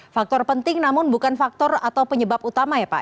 faktor penting namun bukan faktor atau penyebab utama ya pak